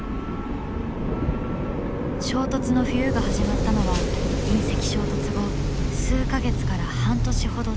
衝突の冬が始まったのは隕石衝突後数か月から半年ほどたった頃。